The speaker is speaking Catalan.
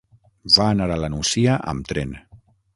Va anar a la Nucia amb tren.